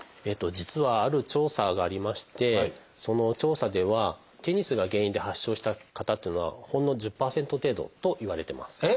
えっと実はある調査がありましてその調査ではテニスが原因で発症した方っていうのはほんの１０％程度といわれてます。